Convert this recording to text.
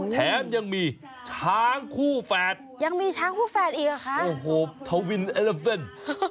แถมยังมีช้างคู่แฝดยังมีช้างคู่แฝดอีกเหรอคะโอ้โหทวินเอลับเส้น